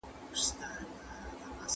د کندهار پخوانی ښار چېرته موقعیت لري؟